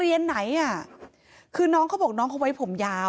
เหตุการณ์เกิดขึ้นแถวคลองแปดลำลูกกา